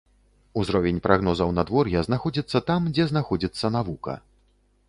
Узровень прагнозаў надвор'я знаходзіцца там, дзе знаходзіцца навука.